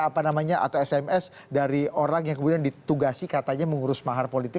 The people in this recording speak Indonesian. apa namanya atau sms dari orang yang kemudian ditugasi katanya mengurus mahar politik